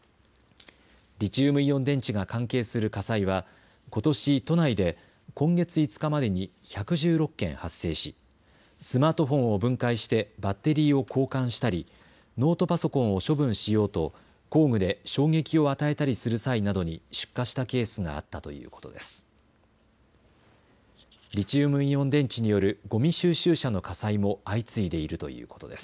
リチウムイオン電池が関係する火災はことし、都内で今月５日までに１１６件発生しスマートフォンを分解してバッテリーを交換したりノートパソコンを処分しようと工具で衝撃を与えたりする際などに出火したケースがあったということです。